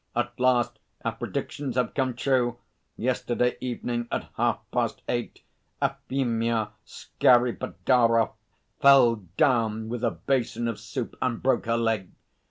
At last our predictions have come true: yesterday evening at half past eight Afimya Skapidarov fell down with a basin of soup and broke her leg.